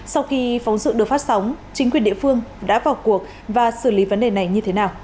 sau khi phóng sự được phát sóng chính quyền địa phương đã vào cuộc và xử lý vấn đề này như thế nào